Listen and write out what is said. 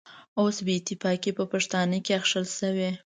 اوس بې اتفاقي په پښتانه کې اخښل شوې.